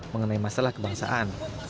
mengenai masalah kebangsaan